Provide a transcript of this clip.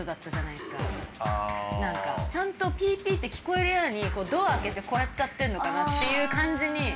ちゃんとピーピーって聞こえるようにこうドア開けてこうやっちゃってるのかなっていう感じに。